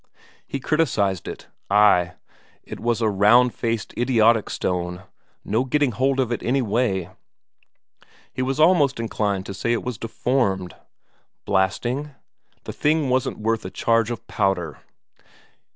He criticized it; ay, it was a round faced, idiotic stone, no getting hold of it any way he was almost inclined to say it was deformed. Blasting? The thing wasn't worth a charge of powder.